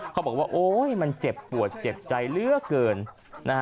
เขาบอกว่าโอ้โหมันเจ็บปวดเจ็บใจเลือดเกิน